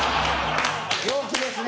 病気ですね。